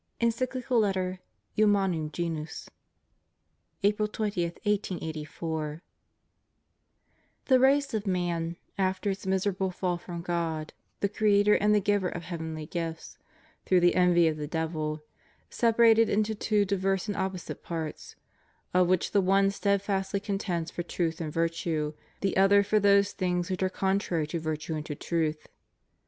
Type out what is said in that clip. Encyclical Letter Humanum Genus, April 20, 1884. The race of man, after its miserable fall from God, the Creator and the Giver of heavenly gifts, "through the envy of the devil," separated into two diverse and opposite parts, of which the one steadfastly contends for truth and virtue, the other for those things which are contrary to virtue and to truth.